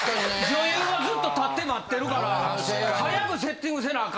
女優がずっと立って待ってるから早くセッティングせなあ